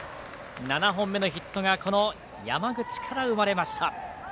７本目のヒットが山口から生まれました。